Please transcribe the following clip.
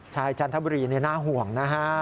ใช่จันทบุรีน่าห่วงนะฮะ